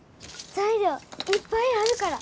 材料いっぱいあるから。